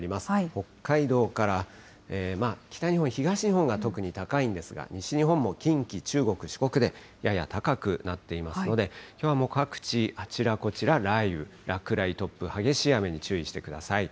北海道から北日本、東日本が特に高いんですが、西日本も近畿、中国、四国でやや高くなっていますので、きょうはもう各地、あちらこちら、雷雨、落雷、突風、激しい雨に注意してください。